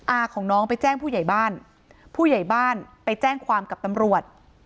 อาของน้องไปแจ้งผู้ใหญ่บ้านผู้ใหญ่บ้านไปแจ้งความกับตำรวจ